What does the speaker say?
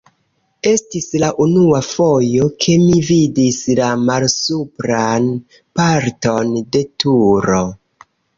Estis la unua fojo, ke mi vidis la malsupran parton de turo.